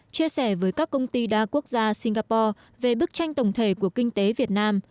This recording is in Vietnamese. chia sẻ với các công ty đa quốc gia singapore về bức tranh tổng thể của kinh tế việt nam